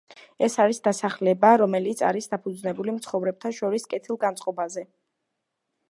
ეს არის დასახლება, რომელიც არის დაფუძნებული მცხოვრებთა შორის კეთილგანწყობაზე.